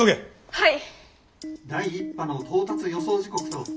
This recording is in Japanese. はい。